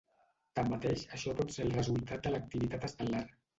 Tanmateix, això pot ser el resultat de l'activitat estel·lar.